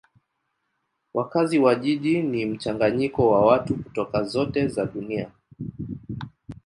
Wakazi wa jiji ni mchanganyiko wa watu kutoka zote za dunia.